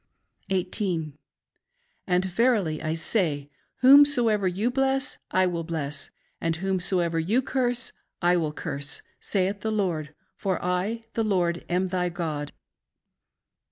18. .And again, verily I say, whomsoever you bless I will bless, and whomso ever you curse I vrill curse, saith the Lord ; for I, the Lord, am thy God.